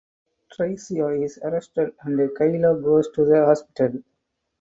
Tricia is arrested and Kyla goes to the hospital.